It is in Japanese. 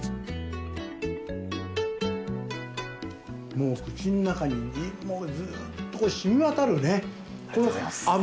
もう口の中にずっと染み渡るね。